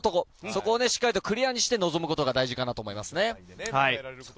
そこをしっかりクリアにして臨むことが大事かなと思いますね。